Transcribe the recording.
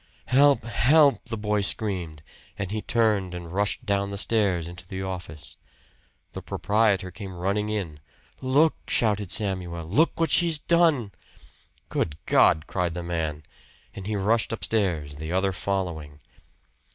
"Help! Help!" the boy screamed; and he turned and rushed down the stairs into the office. The proprietor came running in. "Look!" shouted Samuel. "Look what she's done!" "Good God!" cried the man. And he rushed upstairs, the other following.